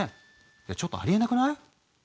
いやちょっとありえなくない？